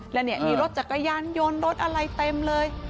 แล้วเนี่ยมีรถจักรยานยนต์รถอะไรเต็มเลย